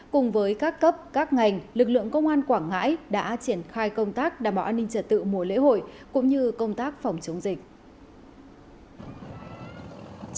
cùng với các cấp các ngành lực lượng công an quảng ngãi đã triển khai công tác đảm bảo an ninh trật tự mùa lễ hội cũng như công tác phòng chống dịch